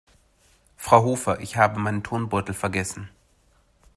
Frau Hofer, ich habe meinen Turnbeutel vergessen.